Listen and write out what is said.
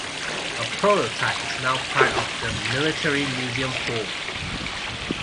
A Prototype is now part of the Military Museum Full.